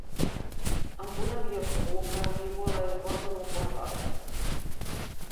Amb un avió segur que arribo a l'aeroport en un quart d'hora.